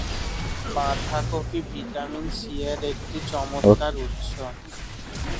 বাঁধাকপি vitamin C এর একটি চমৎকার উৎস।